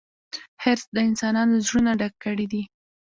حرص د انسانانو زړونه ډک کړي دي.